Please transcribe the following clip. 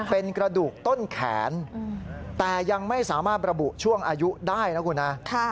เป็นกระดูกต้นแขนแต่ยังไม่สามารถระบุช่วงอายุได้นะคุณฮะ